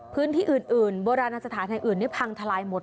พื้นที่อื่นโบราณสถานแห่งอื่นพังทลายหมด